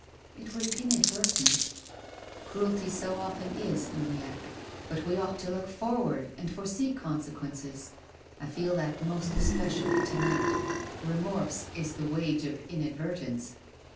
" It was inadvertent." "Cruelty so often is, Uniacke. But we ought to look forward and foresee consequences. I feel that most especially to night. Remorse is the wage of inadvertence."